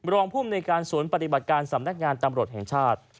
รองภูมิในการศูนย์ปฏิบัติการสำนักงานตำรวจแห่งชาติ